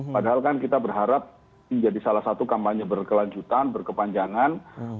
padahal kan kita berharap menjadi salah satu kampanye berkelanjutan berkepanjangan